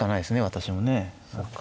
私もね。